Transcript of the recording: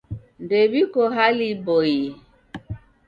Ndw'iko hali iboie.